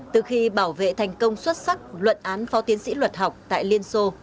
từ khi bảo vệ thành công xuất sắc luận án phó tiến sĩ luật học tại liên xô